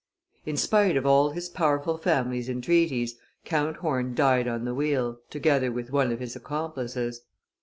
In spite of all his powerful family's entreaties, Count Horn died on the wheel, together with one of his accomplices.